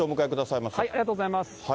ありがとうございます。